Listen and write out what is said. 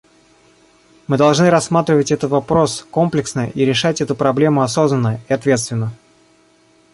Мы должны рассматривать этот вопрос комплексно и решать эту проблему осознанно и ответственно.